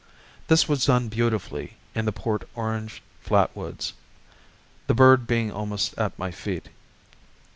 This was done beautifully in the Port Orange flat woods, the bird being almost at my feet.